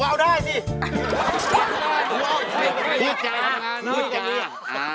เว้าได้สิ